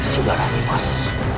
sudah rami mas